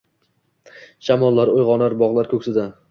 Shamollar, o’yg’onar bog’lar ko’ksida.